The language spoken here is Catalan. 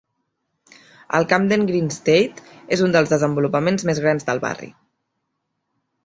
El Camden Green Estate és un dels desenvolupaments més grans del barri.